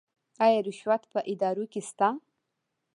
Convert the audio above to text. آیا رشوت په ادارو کې شته؟